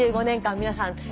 ２５年間皆さん